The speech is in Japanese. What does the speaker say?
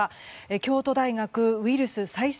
京都大学ウイルス・再生